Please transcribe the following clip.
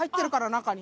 中に。